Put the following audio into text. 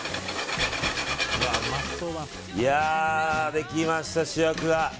できました、主役が。